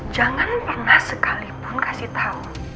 jangan pernah sekalipun kasih tahu